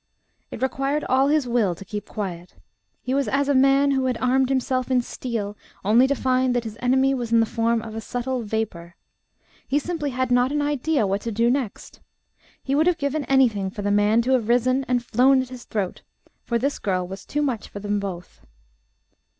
It required all his will to keep quiet. He was as a man who had armed himself in steel, only to find that his enemy was in the form of a subtle vapour. He simply had not an idea what to do next. He would have given anything for the man to have risen and flown at his throat, for this girl was too much for them both.